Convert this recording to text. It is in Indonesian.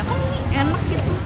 kok ini enak gitu